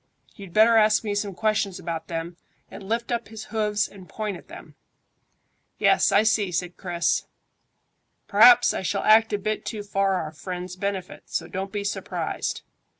You'd better ask me some questions about them, and lift up his hoofs and point at them." "Yes, I see," said Chris. "P'r'aps I shall act a bit too for our friends' benefit, so don't be surprised.